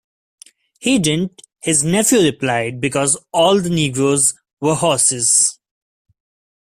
He didn't, his nephew replied, because all the negroes were horses.